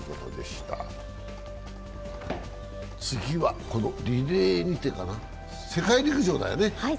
次はリレー見てかな、世界陸上だよね。